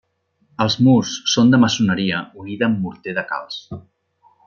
Els murs són de maçoneria unida amb morter de calç.